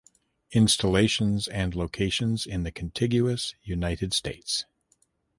Installations and locations in the contiguous United States.